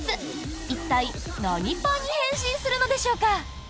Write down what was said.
一体、何パンに変身するのでしょうか。